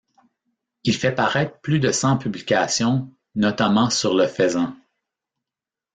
Il fait paraître plus de cent publications, notamment sur le faisan.